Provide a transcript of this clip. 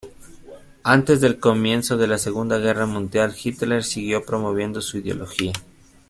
Antes del comienzo de la Segunda Guerra Mundial, Hitler siguió promoviendo su ideología.